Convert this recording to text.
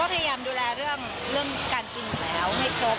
เราพยายามดูแลเรื่องการกินแล้วให้โกรธ